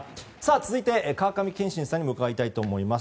続いて、川上憲伸さんにも伺いたいと思います。